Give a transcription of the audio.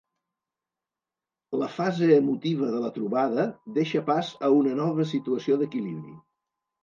La fase emotiva de la trobada deixa pas a una nova situació d'equilibri.